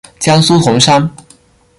江苏铜山。